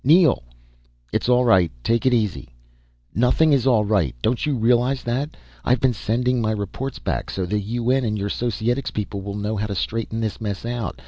"Neel!" "It's all right. Take it easy " "Nothing is all right don't you realize that. I've been sending my reports back, so the UN and your Societics people will know how to straighten this mess out.